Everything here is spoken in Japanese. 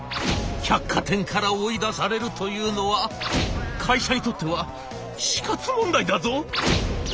百貨店から追い出されるというのは会社にとっては死活問題だぞ！」。